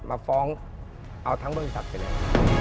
มาฟ้องเอาทั้งบริษัทไปเลย